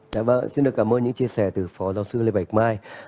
dạ vâng xin được cảm ơn những chia sẻ từ phó giáo sư lê bạch mai